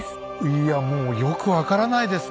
いやもうよく分からないです